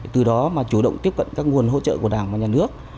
từ đó mà chủ động tiếp cận các nguồn hỗ trợ của đảng và nhà nước